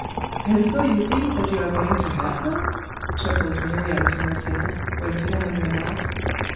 'And so you think that you are going to have her?' chuckled Miriam to herself, when Philammon went out.